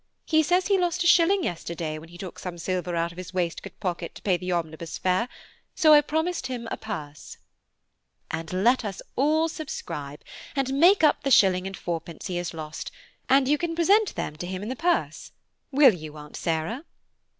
He says he lost a shilling yesterday when he took some silver out of his waistcoat pocket to pay the omnibus fare, so I promised him a purse." "And let us all subscribe and make up the shilling and fourpence he has lost, and you can present them to him in the purse; will you, Aunt Sarah?"